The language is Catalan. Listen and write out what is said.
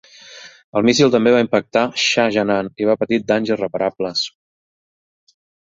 El míssil també va impactar "Shah Jahan" i va patir danys irreparables.